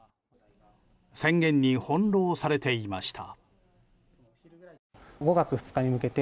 宣言に翻弄されていました。